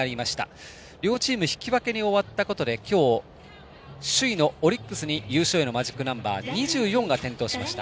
両チーム引き分けに終わったことで今日、首位のオリックスに優勝へのマジックナンバー２４が点灯しました。